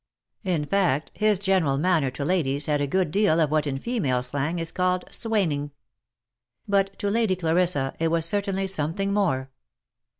In fact, his general manner to ladies had a good deal of what in female slang is called swaining ; but to Lady Clarissa it was certainly something more.